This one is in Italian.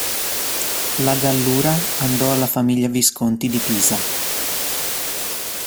La Gallura andò alla famiglia Visconti di Pisa.